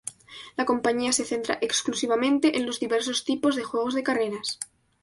La compañía se centra exclusivamente en los diversos tipos de juegos de carreras.